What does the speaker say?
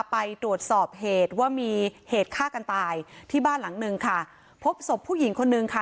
ไปตรวจสอบเหตุว่ามีเหตุฆ่ากันตายที่บ้านหลังนึงค่ะพบศพผู้หญิงคนนึงค่ะ